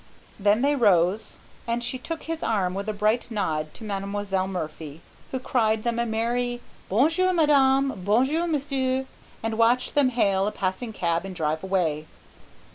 Then they rose, and she took his arm with a bright nod to Mile. Murphy, who cried them a merry: "Bonjour, madame! bonjour, monsieur!" and watched them hail a passing cab and drive away.